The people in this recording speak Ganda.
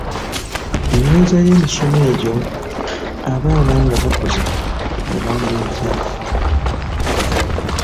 Enyweza y’emisomo egyo abaana nga bakuze yabanga etya?